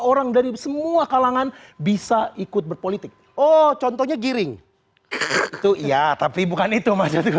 orang dari semua kalangan bisa ikut berpolitik oh contohnya giring itu iya tapi bukan itu maksudnya